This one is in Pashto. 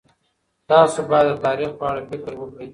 تاسو باید د تاریخ په اړه فکر وکړئ.